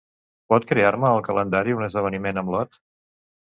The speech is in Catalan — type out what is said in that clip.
Pots crear-me al calendari un esdeveniment amb l'Ot?